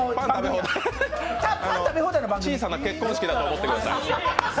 小さな結婚式だと思ってください